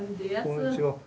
こんにちは。